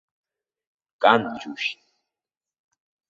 Кан, џьушьҭ!